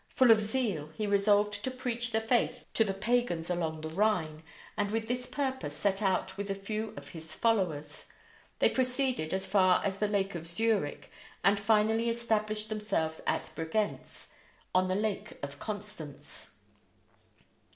Full of zeal, he resolved to preach the faith to the pagans along the Rhine, and with this purpose set out with a few of his followers. They proceeded as far as the Lake of Zurich, and finally established themselves at Bregentz, on the Lake of Constance.